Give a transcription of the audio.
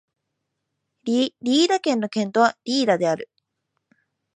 リェイダ県の県都はリェイダである